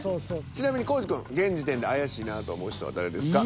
ちなみに地くん現時点で怪しいなぁと思う人は誰ですか？